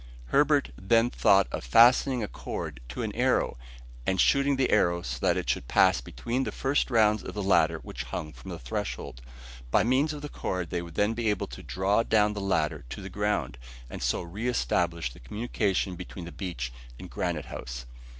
Herbert then thought of fastening a cord to an arrow, and shooting the arrow so that it should pass between the first rounds of the ladder which hung from the threshold. By means of the cord they would then be able to draw down the ladder to the ground, and so re establish the communication between the beach and Granite House.